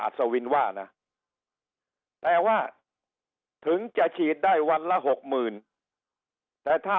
สวินว่านะแต่ว่าถึงจะฉีดได้วันละหกหมื่นแต่ถ้า